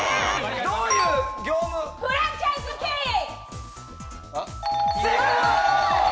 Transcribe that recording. フランチャイズ経営。